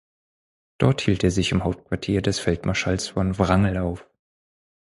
Dort hielt er sich im Hauptquartier des Feldmarschalls von Wrangel auf.